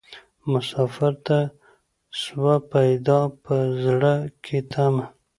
مسافر ته سوه پیدا په زړه کي تمه